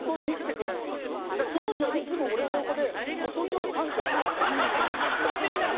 だから庄司はいつも俺の横で細字を担当してくれてるの。